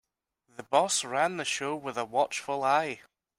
The boss ran the show with a watchful eye.